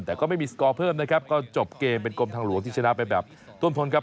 แต่ก็ไม่มีสกอร์เพิ่มนะครับก็จบเกมเป็นกรมทางหลวงที่ชนะไปแบบต้นพลครับ